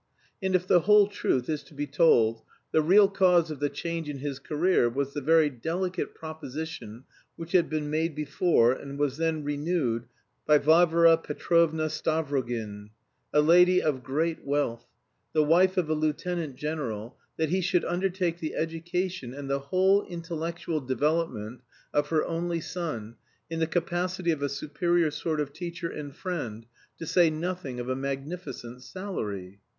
And if the whole truth is to be told the real cause of the change in his career was the very delicate proposition which had been made before and was then renewed by Varvara Petrovna Stavrogin, a lady of great wealth, the wife of a lieutenant general, that he should undertake the education and the whole intellectual development of her only son in the capacity of a superior sort of teacher and friend, to say nothing of a magnificent salary.